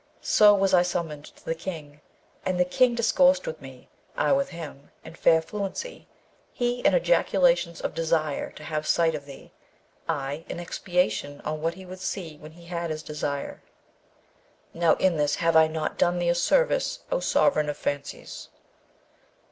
So was I summoned to the King, and the King discoursed with me I with him, in fair fluency; he in ejaculations of desire to have sight of thee, I in expatiation on that he would see when he had his desire. Now in this have I not done thee a service, O sovereign of fancies?'